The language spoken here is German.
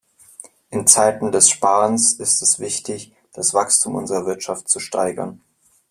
In Zeiten des Sparens ist es wichtig, das Wachstum unserer Wirtschaft zu steigern.